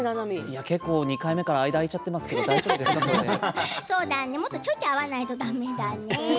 ２回目から間が空いちゃってますけれどももうちょっと会わないとだめだね。